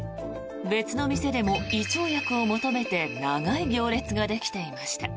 別の店でも胃腸薬を求めて長い行列ができていました。